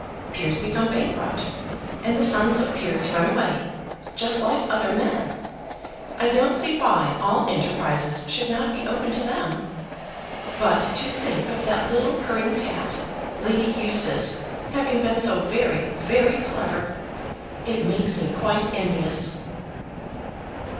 Peers become bankrupt, and the sons of peers run away; just like other men. I don't see why all enterprises should not be open to them. But to think of that little purring cat, Lady Eustace, having been so very very clever! It makes me quite envious."